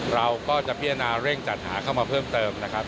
เราก็จะพิจารณาเร่งจัดหาเข้ามาเพิ่มเติมนะครับ